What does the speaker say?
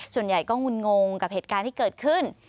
ส่วนใหญ่ก็งุนงงกับเหตุการณ์ที่เกิดขึ้น